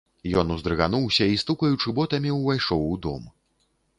Ён уздрыгануўся і стукаючы ботамі ўвайшоў у дом.